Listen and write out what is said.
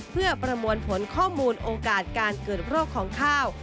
เพื่อประมวลผลข้อมูลโอกาสการเกิดโรคของข้าว